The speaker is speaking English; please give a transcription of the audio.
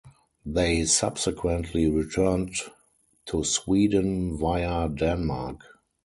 They subsequently returned to Sweden via Denmark.